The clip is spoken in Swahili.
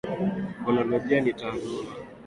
Fonolojia ni taaluma inayohusu sauti za lugha maalumu